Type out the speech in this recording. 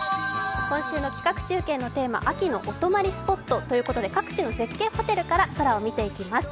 今週の企画中継のテーマ、秋のお泊まりスポットということで、各地の絶景ホテルから空を見ていきます。